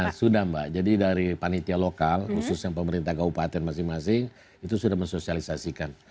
ya sudah mbak jadi dari panitia lokal khususnya pemerintah kabupaten masing masing itu sudah mensosialisasikan